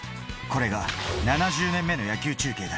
俺が７０年目の野球中継だ。